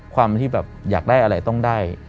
ความที่แบบอยากได้อะไรต้องได้